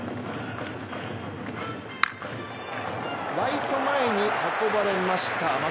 ライト前に運ばれました。